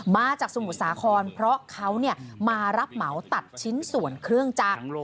มาจากสมุทรสาครเพราะเขามารับเหมาตัดชิ้นส่วนเครื่องจักร